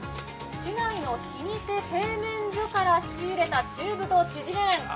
市内の老舗製麺所から仕入れた中太ちぢれ麺。